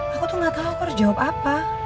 aku tuh gak tahu aku harus jawab apa